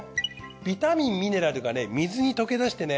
ビタミンミネラルがね水に溶け出してね